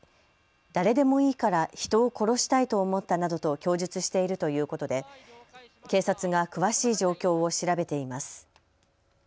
誰でもいいから人を殺したいと思ったなどと供述しているということで警察が詳しい状況を調べています。